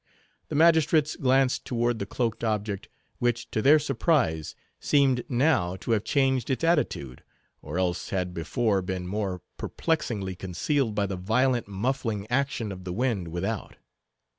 The magistrates glanced toward the cloaked object, which, to their surprise, seemed now to have changed its attitude, or else had before been more perplexingly concealed by the violent muffling action of the wind without.